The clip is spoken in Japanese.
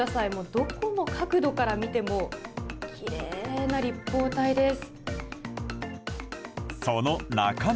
どこの角度から見てもきれいな立方体です。